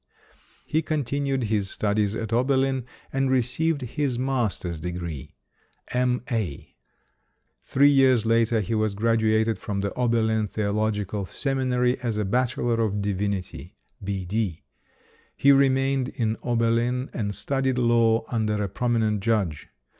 He continued his studies at Ober lin and received his Master's degree "M.A." 278 ] UNSUNG HEROES Three years later, he was graduated from the Oberlin Theological Seminary as a Bachelor of Divinity "B.D." He remained in Oberlin and studied law under a prominent judge.